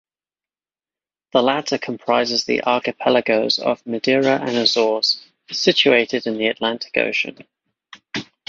The latter comprises the archipelagos of Madeira and Azores, situated in the Atlantic Ocean.